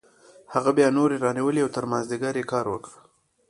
هغه بیا نورې رانیولې او تر مازدیګره یې کار وکړ